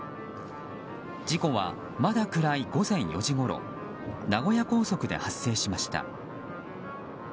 事故は、まだ暗い午前４時ごろ名古屋高速で発生しました。